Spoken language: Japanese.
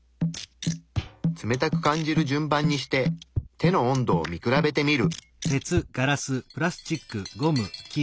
冷たく感じる順番にして手の温度を見比べてみる。